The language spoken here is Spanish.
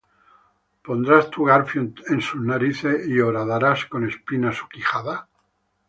¿Pondrás tú garfio en sus narices, Y horadarás con espinas su quijada?